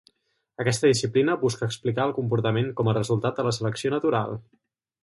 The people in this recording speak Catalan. Aquesta disciplina busca explicar el comportament com a resultat de la selecció natural.